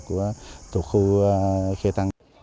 của tổ khu khai tăng